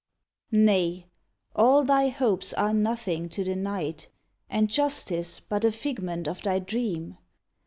Nay I all thy hopes are nothing to the Night, And justice but a figment of thy dream!